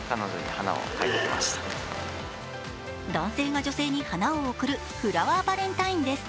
男性が女性に花を贈るフラワーバレンタインです。